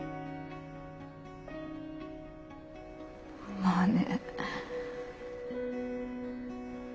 まあね。